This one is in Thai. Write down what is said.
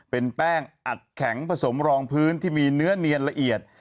เป็นแป้งอัดแข็งผสมรองพื้นที่มีเนื้อเนียนละเอียด